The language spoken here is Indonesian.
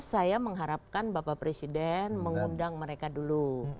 saya mengharapkan bapak presiden mengundang mereka dulu